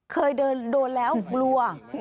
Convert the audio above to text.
เคยโดนแล้วกลัว